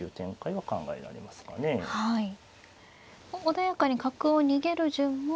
穏やかに角を逃げる順も。